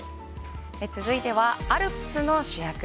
続いてはアルプスの主役。